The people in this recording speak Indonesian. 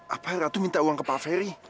apa ratu minta uang ke pak ferry